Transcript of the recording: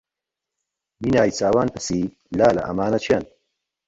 بینایی چاوان پرسی: لالە ئەمانە کێن؟